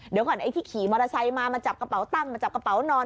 เดี๋ยวก่อนไอ้ที่ขี่มอเตอร์ไซค์มามาจับกระเป๋าตั้งมาจับกระเป๋านอน